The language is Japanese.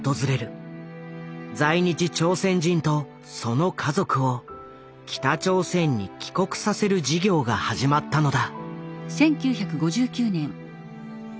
在日朝鮮人とその家族を北朝鮮に帰国させる事業が始まったのだ。